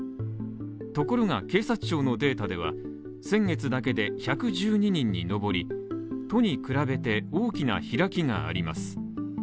ところが警察庁のデータでは先月だけで１１２人に上り、都に比べて大きな開きがあります。